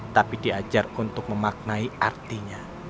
tapi diajar untuk memaknai artinya